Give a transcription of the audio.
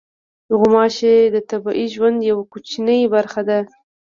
غوماشې د طبیعي ژوند یوه کوچنۍ برخه ده.